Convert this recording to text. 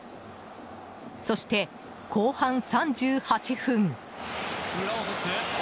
そして、後半３８分。